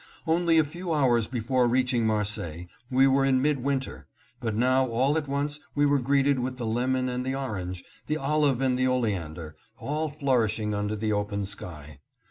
Only a few hours before reaching Marseilles we were in mid winter ; but now all at once we were greeted with the lemon and the orange, the olive and the oleander, all flourishing under the open sky.